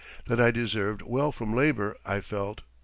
That I deserved well from labor I felt.